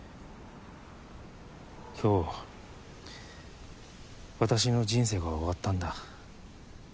今日私の人生が終わったんだ。